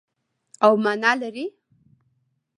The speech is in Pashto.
او مانا لري.